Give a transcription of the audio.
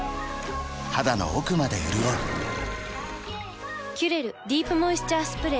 肌の奥まで潤う「キュレルディープモイスチャースプレー」